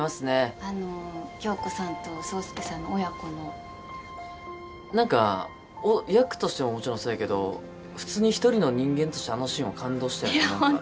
あの響子さんと爽介さんの親子のなんか役としてももちろんそうやけど普通に一人の人間としてあのシーンは感動したよねなんか